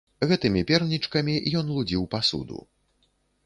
Гэтымі пернічкамі ён лудзіў пасуду.